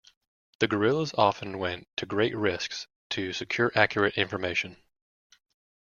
The guerrillas often went to great risks to secure accurate information.